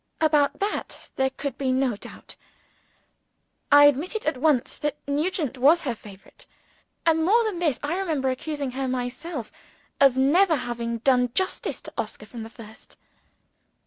About that, there could be no doubt. I admitted at once that Nugent was her favorite. And more than this, I remembered accusing her myself of never having done justice to Oscar from the first.